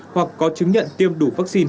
hoặc có chứng nhận tiêm đủ vaccine